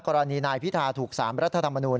กรณีนายพิธาถูกสารไปรัฐธรรมนูน